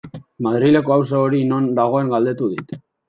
Madrileko auzo hori non dagoen galdetu dit.